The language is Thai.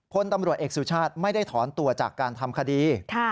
พลตำรวจเอกสุชาติไม่ได้ถอนตัวจากการทำคดี